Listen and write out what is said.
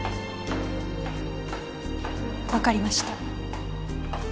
わかりました。